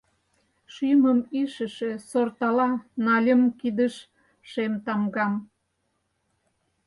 Шӱмым ишыше сортала Нальым кидыш Шем Тамгам.